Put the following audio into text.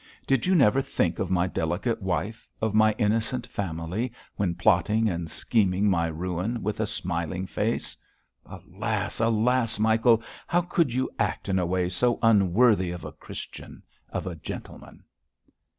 Did you never think of my delicate wife, of my innocent family, when plotting and scheming my ruin with a smiling face? Alas! alas! Michael, how could you act in a way so unworthy of a Christian, of a gentleman?'